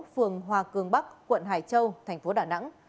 phường hòa cường bắc quận hải châu tp đà nẵng